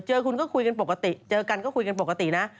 เจอคุณก็คุยกันปกติเจอกันก็คุยกันปกตินะ